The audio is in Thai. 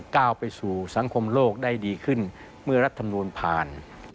ก้าวไปสู่สังคมโลกได้ดีขึ้นเมื่อรัฐมนูลผ่าน